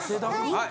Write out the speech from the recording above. はい。